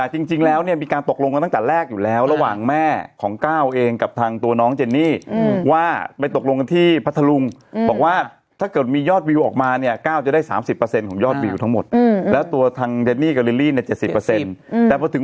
หลังจากนั้นก็ให้คนไปดูไปเจอต้นตะเคียนหลายต้น